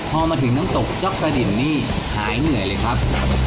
พอมาถึงน้ำตกจ๊อกกระดินนี่หายเหนื่อยเลยครับ